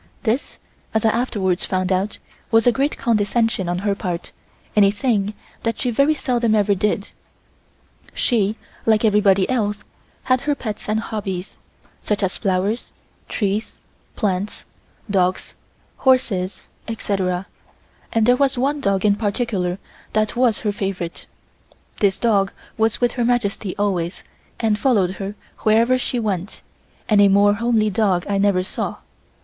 This, as I afterwards found out, was a great condescension on her part and a thing that she very seldom ever did. She, like everybody else, had her pets and hobbies, such as flowers, trees, plants, dogs, horses, etc., and there was one dog in particular that was her favorite pet. This dog was with Her Majesty always and followed her wherever she went, and a more homely dog I never saw.